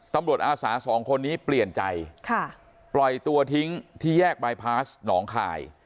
อาสาสองคนนี้เปลี่ยนใจปล่อยตัวทิ้งที่แยกบายพาสหนองคาย